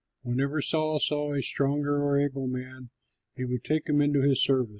Whenever Saul saw a strong or able man, he would take him into his service.